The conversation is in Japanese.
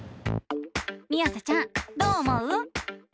みあさちゃんどう思う？